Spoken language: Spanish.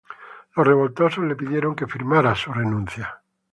Los revoltosos le pidieron que firmara su renuncia.